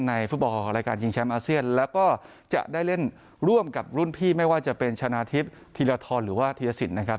ฟุตบอลรายการชิงแชมป์อาเซียนแล้วก็จะได้เล่นร่วมกับรุ่นพี่ไม่ว่าจะเป็นชนะทิพย์ธีรทรหรือว่าธีรสินนะครับ